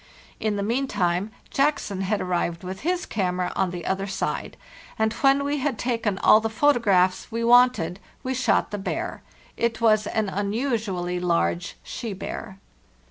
In the meantime, Jackson had arrived with his camera on the other side; and when we had taken all the photo eraphs we wanted we shot the bear. It was an un usually large she bear."